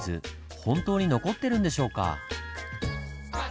本当に残ってるんでしょうか？